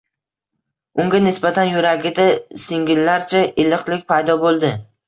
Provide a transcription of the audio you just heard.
Unga nisbatan yuragida singillarcha iliqlik paydo bo’ldi.